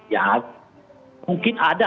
ya mungkin ada